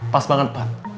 pas banget pak